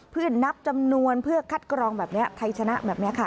เพื่อนับจำนวนเพื่อคัดกรองแบบนี้ไทยชนะแบบนี้ค่ะ